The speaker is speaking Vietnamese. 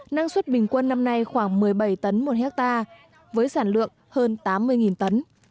năng suất bình quân năm nay khoảng một mươi bảy tấn một hectare với sản lượng hơn tám mươi tấn